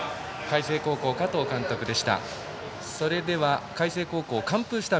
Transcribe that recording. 海星高校、加藤監督でした。